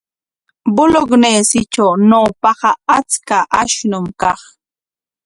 Bolegnesitraw ñawpaqa achka ashnum kaq.